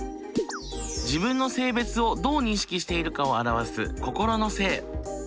自分の性別をどう認識しているかを表す心の性。